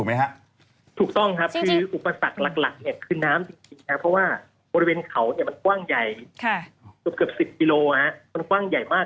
คือเกือบ๑๐กิโลมันกว้างใหญ่มาก